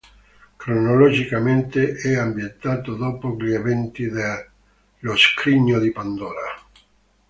Cronologicamente, è ambientato dopo gli eventi de Lo scrigno di Pandora.